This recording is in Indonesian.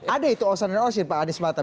ada itu osan dan osin pak adi sematam